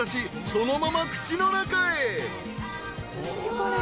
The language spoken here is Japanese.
そのまま口の中へ］